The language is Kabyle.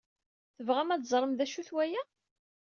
Tebɣam ad teẓrem d acu-t waya?